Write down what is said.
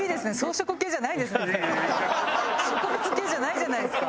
植物系じゃないじゃないですか。